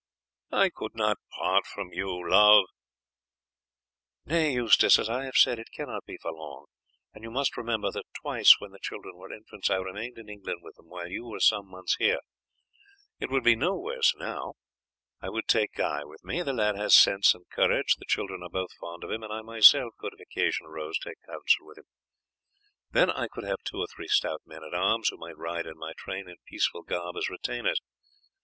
"I could not part from you, love." "Nay, Eustace, as I have said, it cannot be for long; and you must remember that twice when the children were infants I remained in England with them while you were some months here. It would be no worse now. I would take Guy with me; the lad has sense and courage, the children are both fond of him, and I myself could, if occasion arose, take counsel with him. Then I could have two or three stout men at arms who might ride in my train in peaceful garb as retainers.